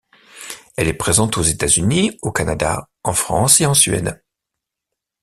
Elle est présente aux États-Unis, au Canada, en France et en Suède.